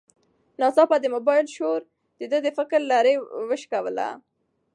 ناڅاپه د موبایل شور د ده د فکر لړۍ وشکوله.